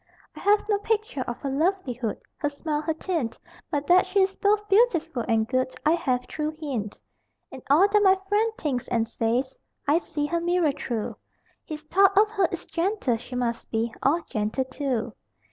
I have no picture of her lovelihood, Her smile, her tint; But that she is both beautiful and good I have true hint. In all that my friend thinks and says, I see Her mirror true; His thought of her is gentle; she must be All gentle too.